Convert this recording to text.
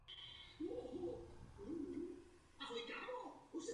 Nechápu, jak může být někdo proti.